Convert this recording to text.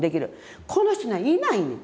この人にはいないねん。